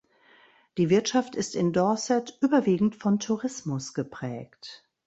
Die Wirtschaft ist in Dorset überwiegend von Tourismus geprägt.